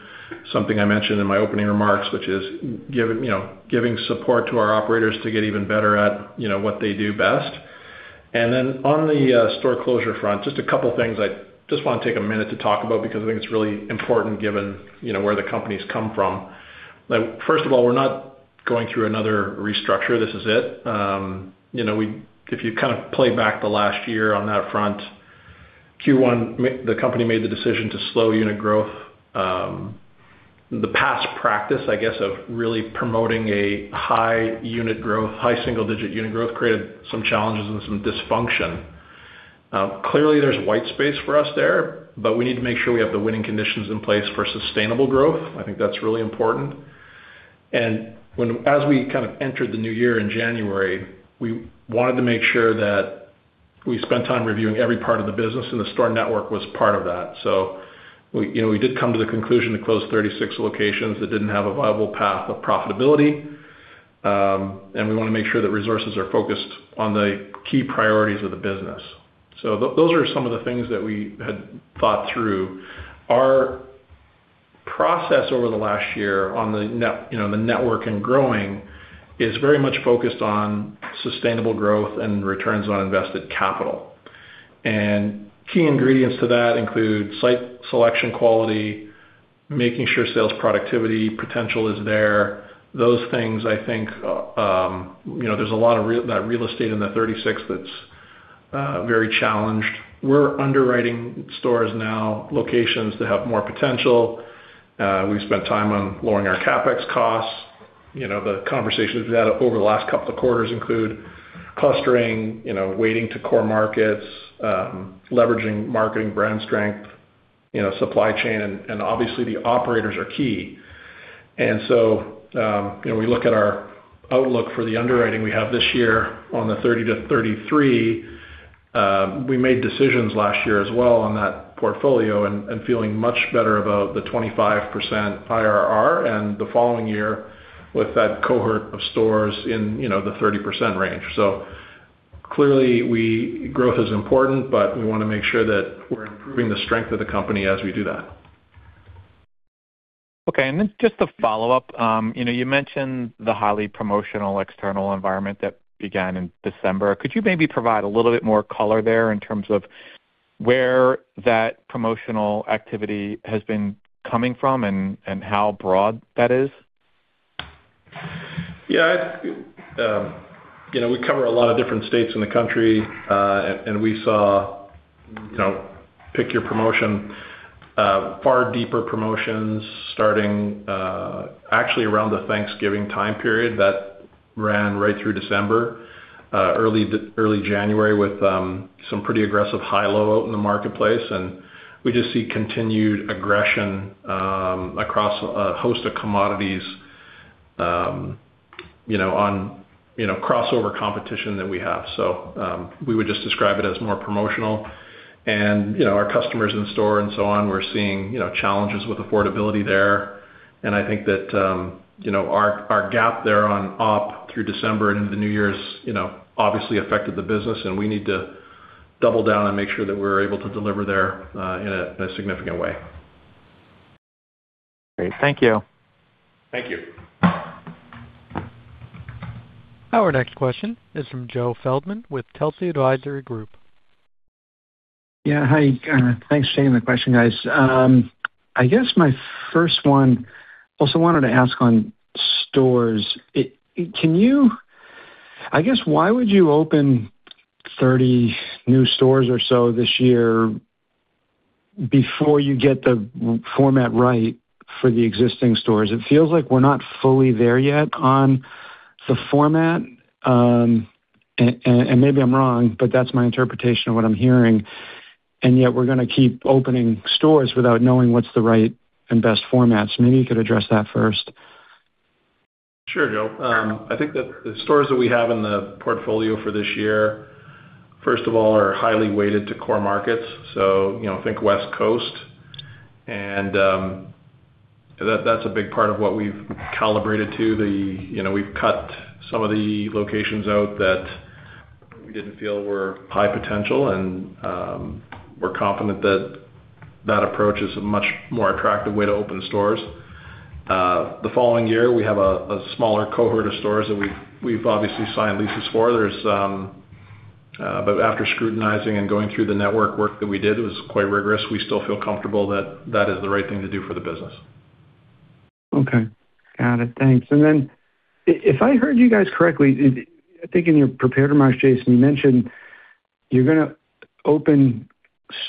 something I mentioned in my opening remarks, which is giving, you know, giving support to our operators to get even better at, you know, what they do best. On the store closure front, just a couple things I just wanna take a minute to talk about because I think it's really important given, you know, where the company's come from. First of all, we're not going through another restructure. This is it. You know, if you kind of play back the last year on that front, Q1, the company made the decision to slow unit growth. The past practice, I guess, of really promoting a high unit growth, high single digit unit growth created some challenges and some dysfunction. Clearly there's white space for us there, but we need to make sure we have the winning conditions in place for sustainable growth. I think that's really important. As we kind of entered the new year in January, we wanted to make sure that we spent time reviewing every part of the business and the store network was part of that. We, you know, we did come to the conclusion to close 36 locations that didn't have a viable path of profitability, and we wanna make sure that resources are focused on the key priorities of the business. Those are some of the things that we had thought through. Our process over the last year on you know, the network and growing is very much focused on sustainable growth and returns on invested capital. Key ingredients to that include site selection quality, making sure sales productivity potential is there, those things I think, you know, there's a lot of that real estate in the 36 that's very challenged. We're underwriting stores now, locations that have more potential. We've spent time on lowering our CapEx costs. You know, the conversations we've had over the last couple of quarters include clustering, you know, weighting to core markets, leveraging marketing brand strength, you know, supply chain and obviously the operators are key. you know, we look at our outlook for the underwriting we have this year on the 30%-33%, we made decisions last year as well on that portfolio and feeling much better about the 25% IRR and the following year with that cohort of stores in, you know, the 30% range. Clearly, growth is important, but we wanna make sure that we're improving the strength of the company as we do that. Okay. Just a follow-up. You know, you mentioned the highly promotional external environment that began in December. Could you maybe provide a little bit more color there in terms of where that promotional activity has been coming from and how broad that is? Yeah, you know, we cover a lot of different states in the country, and we saw, you know, pick your promotion. Far deeper promotions starting actually around the Thanksgiving time period that ran right through December, early January with some pretty aggressive high-low out in the marketplace. We just see continued aggression across a host of commodities, you know, on, you know, crossover competition that we have. We would just describe it as more promotional and, you know, our customers in store and so on, we're seeing, you know, challenges with affordability there. I think that, you know, our gap there on op through December and into the New Year's, you know, obviously affected the business, and we need to double down and make sure that we're able to deliver there, in a, in a significant way. Great. Thank you. Thank you. Our next question is from Joe Feldman with Telsey Advisory Group. Yeah. Hi. Thanks for taking the question, guys. I guess my first one also wanted to ask on stores. Can you— I guess, why would you open 30 new stores or so this year before you get the format right for the existing stores? It feels like we're not fully there yet on the format, and maybe I'm wrong, but that's my interpretation of what I'm hearing. Yet we're gonna keep opening stores without knowing what's the right and best formats. Maybe you could address that first. Sure, Joe. I think that the stores that we have in the portfolio for this year, first of all, are highly weighted to core markets, so, you know, think West Coast. That's a big part of what we've calibrated to. You know, we've cut some of the locations out that we didn't feel were high potential, and we're confident that that approach is a much more attractive way to open stores. The following year, we have a smaller cohort of stores that we've obviously signed leases for. After scrutinizing and going through the network work that we did, it was quite rigorous, we still feel comfortable that that is the right thing to do for the business. Okay. Got it. Thanks. If I heard you guys correctly, I think in your prepared remarks, Jason, you mentioned you're going to open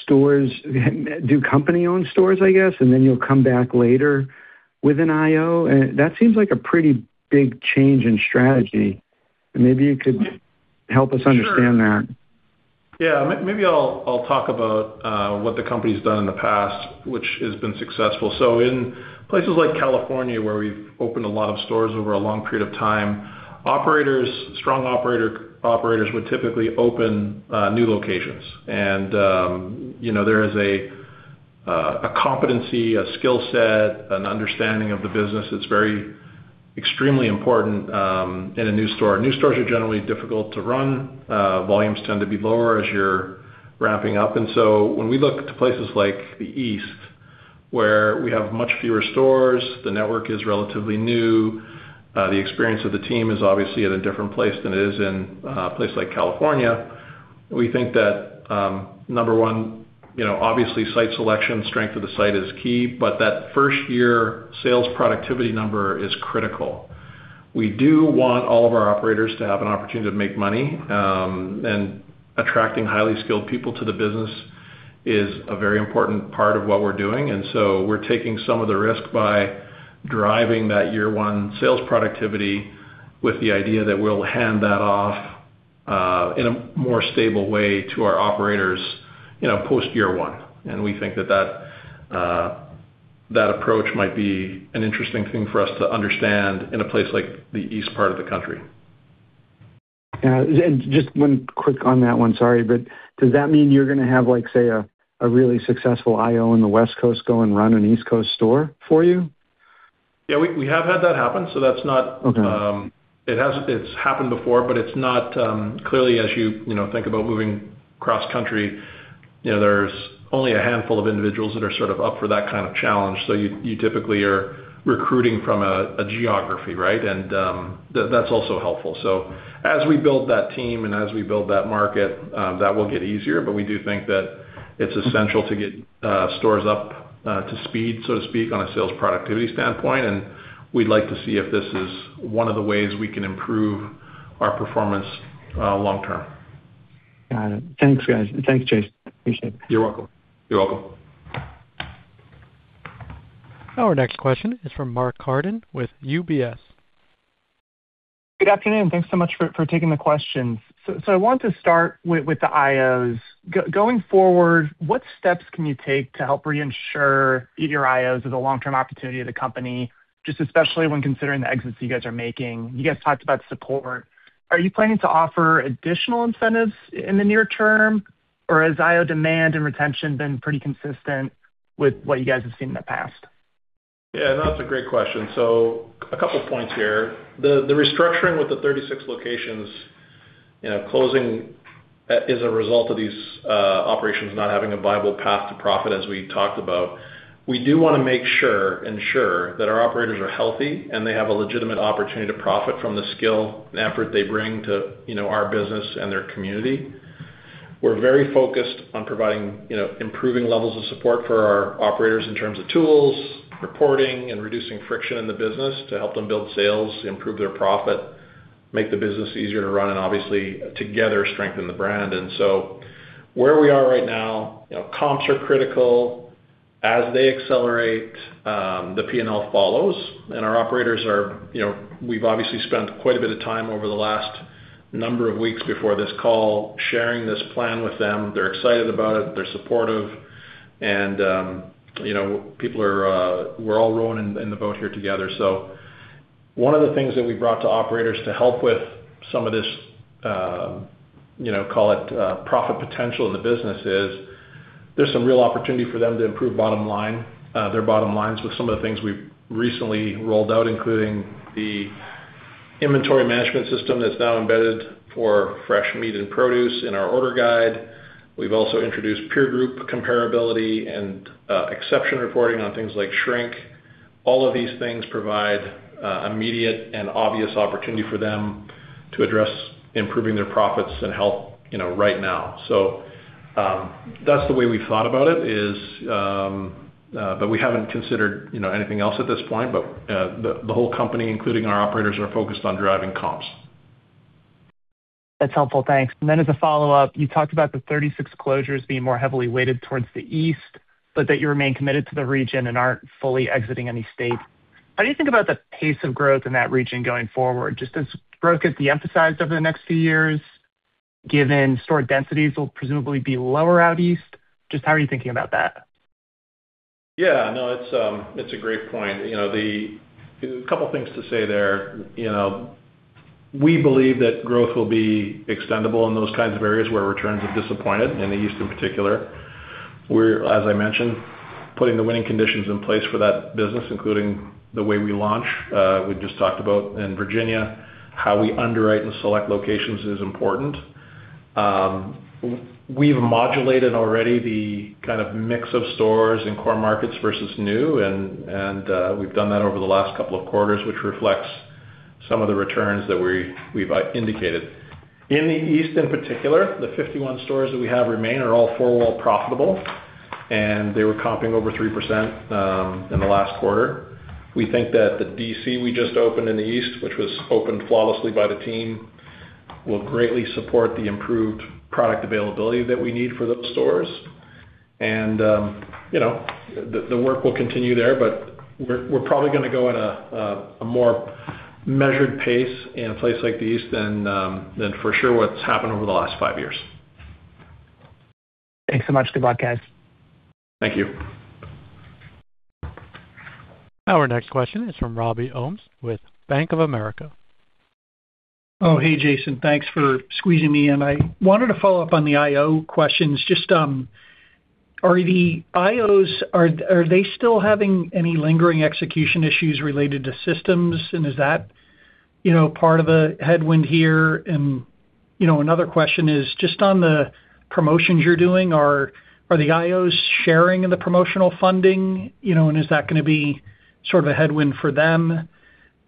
stores, do company-owned stores, I guess, and then you'll come back later with an IO. That seems like a pretty big change in strategy. Maybe you could help us understand that. Sure. Yeah. Maybe I'll talk about what the company's done in the past, which has been successful. In places like California, where we've opened a lot of stores over a long period of time, operators, strong operators would typically open new locations. you know, there is a competency, a skill set, an understanding of the business that's very extremely important in a new store. New stores are generally difficult to run. Volumes tend to be lower as you're ramping up. When we look to places like the East, where we have much fewer stores, the network is relatively new, the experience of the team is obviously at a different place than it is in a place like California. We think that, number one, you know, obviously, site selection, strength of the site is key, but that first-year sales productivity number is critical. We do want all of our operators to have an opportunity to make money, and attracting highly skilled people to the business is a very important part of what we're doing. We're taking some of the risk by driving that year one sales productivity with the idea that we'll hand that off in a more stable way to our operators, you know, post year one. We think that that approach might be an interesting thing for us to understand in a place like the East part of the country. Yeah. Just one quick on that one, sorry. Does that mean you're gonna have, like, say, a really successful IO in the West Coast go and run an East Coast store for you? Yeah. We have had that happen, so that's not— It's happened before, but it's not— Clearly, as you know, think about moving cross-country, you know, there's only a handful of individuals that are sort of up for that kind of challenge. You typically are recruiting from a geography, right? That's also helpful. As we build that team and as we build that market, that will get easier, but we do think that it's essential to get stores up to speed, so to speak, on a sales productivity standpoint. We'd like to see if this is one of the ways we can improve our performance long term. Got it. Thanks, guys. Thanks, Jason. Appreciate it. You're welcome. You're welcome. Our next question is from Mark Carden with UBS. Good afternoon. Thanks so much for taking the questions. I want to start with the IOs. Going forward, what steps can you take to help reinsure your IOs as a long-term opportunity of the company, just especially when considering the exits you guys are making? You guys talked about support. Are you planning to offer additional incentives in the near term, or has IO demand and retention been pretty consistent with what you guys have seen in the past? Yeah, that's a great question. A couple points here. The restructuring with the 36 locations, you know, closing, is a result of these operations not having a viable path to profit as we talked about. We do wanna make sure, ensure that our operators are healthy and they have a legitimate opportunity to profit from the skill and effort they bring to, you know, our business and their community. We're very focused on providing, you know, improving levels of support for our operators in terms of tools, reporting, and reducing friction in the business to help them build sales, improve their profit. Make the business easier to run and obviously together strengthen the brand. Where we are right now, you know, comps are critical. As they accelerate, the P&L follows. Our operators are, you know, we've obviously spent quite a bit of time over the last number of weeks before this call sharing this plan with them. They're excited about it, they're supportive. You know, people are— We're all rowing in the boat here together. One of the things that we brought to operators to help with some of this, you know, call it, profit potential in the business is there's some real opportunity for them to improve bottom line, their bottom lines with some of the things we've recently rolled out, including the inventory management system that's now embedded for fresh meat and produce in our order guide. We've also introduced peer group comparability and exception reporting on things like shrink. All of these things provide immediate and obvious opportunity for them to address improving their profits and health, you know, right now. That's the way we thought about it, is, but we haven't considered, you know, anything else at this point, but the whole company, including our operators, are focused on driving comps. That's helpful. Thanks. As a follow-up, you talked about the 36 closures being more heavily weighted towards the East, but that you remain committed to the region and aren't fully exiting any state. How do you think about the pace of growth in that region going forward? Just as growth is de-emphasized over the next few years, given store densities will presumably be lower out East, just how are you thinking about that? Yeah, no, it's a great point. You know, couple things to say there. You know, we believe that growth will be extendable in those kinds of areas where returns have disappointed, in the East in particular. We're, as I mentioned, putting the winning conditions in place for that business, including the way we launch, we just talked about in Virginia, how we underwrite and select locations is important. We've modulated already the kind of mix of stores in core markets versus new and we've done that over the last couple of quarters, which reflects some of the returns that we've indicated. In the East, in particular, the 51 stores that we have remain are all four-wall profitable, and they were comping over 3% in the last quarter. We think that the D.C. we just opened in the East, which was opened flawlessly by the team, will greatly support the improved product availability that we need for those stores. You know, the work will continue there, but we're probably gonna go at a more measured pace in a place like the East than for sure what's happened over the last five years. Thanks so much. Good podcast. Thank you. Our next question is from Robbie Ohmes with Bank of America. Hey, Jason. Thanks for squeezing me in. I wanted to follow up on the IO questions. Just, are the IOs, are they still having any lingering execution issues related to systems? Is that, you know, part of a headwind here? Another question is just on the promotions you're doing, are the IOs sharing in the promotional funding? Is that gonna be sort of a headwind for them?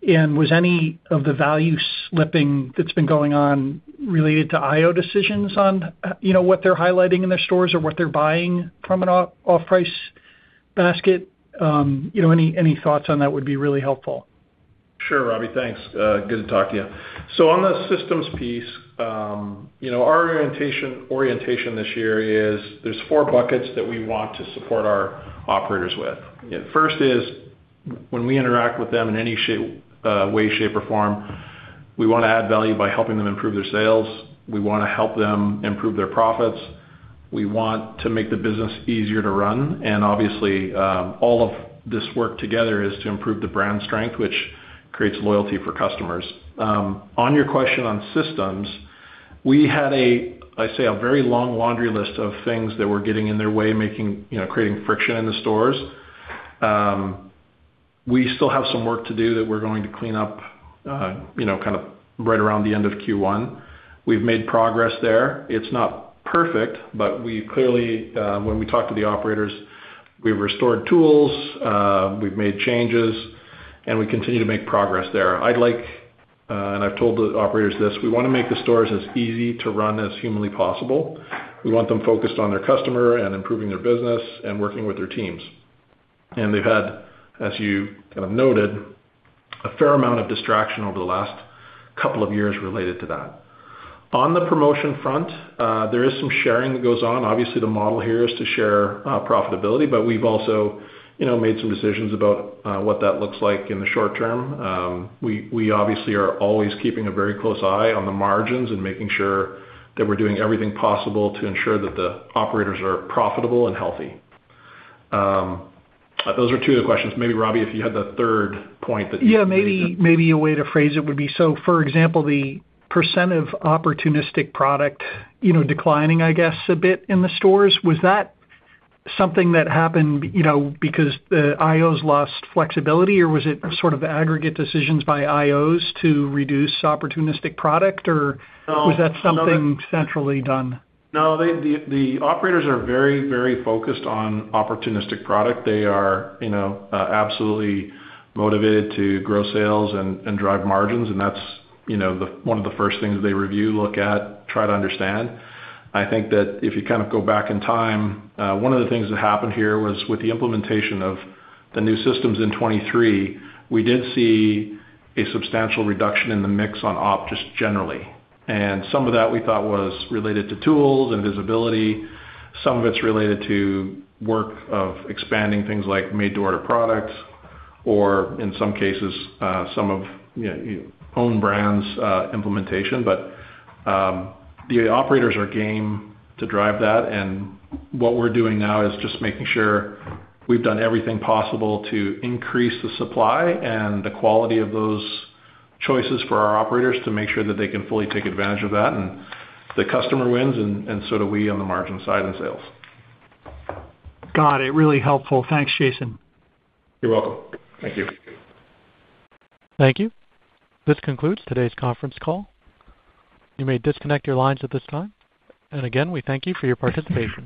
Was any of the value slipping that's been going on related to IO decisions on, you know, what they're highlighting in their stores or what they're buying from an off-price basket? Any thoughts on that would be really helpful. Sure, Robbie. Thanks. Good to talk to you. On the systems piece, you know, our orientation this year is there's four buckets that we want to support our operators with. First is, when we interact with them in any way, shape or form, we wanna add value by helping them improve their sales, we wanna help them improve their profits, we want to make the business easier to run, obviously, all of this work together is to improve the brand strength, which creates loyalty for customers. On your question on systems, we had a, I'd say a very long laundry list of things that were getting in their way, making, you know, creating friction in the stores. We still have some work to do that we're going to clean up, you know, kinda right around the end of Q1. We've made progress there. It's not perfect, but we've clearly, when we talk to the operators, we've restored tools, we've made changes, and we continue to make progress there. I'd like, and I've told the operators this, we wanna make the stores as easy to run as humanly possible. We want them focused on their customer and improving their business and working with their teams. They've had, as you kind of noted, a fair amount of distraction over the last couple of years related to that. On the promotion front, there is some sharing that goes on. Obviously, the model here is to share, profitability, but we've also, you know, made some decisions about, what that looks like in the short term. We obviously are always keeping a very close eye on the margins and making sure that we're doing everything possible to ensure that the operators are profitable and healthy. Those are two of the questions. Maybe, Robbie, if you had the third point that— Maybe a way to phrase it would be, for example, the % of opportunistic product, you know, declining, I guess, a bit in the stores, was that something that happened, you know, because the IOs lost flexibility or was it sort of aggregate decisions by IOs to reduce opportunistic product? Was that something centrally done? No, the operators are very, very focused on opportunistic product. They are, you know, absolutely motivated to grow sales and drive margins, and that's, you know, one of the first things they review, look at, try to understand. I think that if you kind of go back in time, one of the things that happened here was with the implementation of the new systems in 2023, we did see a substantial reduction in the mix on op just generally. Some of that we thought was related to tools and visibility, some of it's related to work of expanding things like made-to-order products or in some cases, some of, you know, own brands, implementation. The operators are game to drive that, and what we're doing now is just making sure we've done everything possible to increase the supply and the quality of those choices for our operators to make sure that they can fully take advantage of that, and the customer wins, and so do we on the margin side of the sales. Got it. Really helpful. Thanks, Jason. You're welcome. Thank you. Thank you. This concludes today's conference call. You may disconnect your lines at this time. Again, we thank you for your participation.